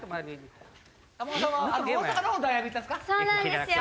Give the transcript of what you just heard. そうなんですよ。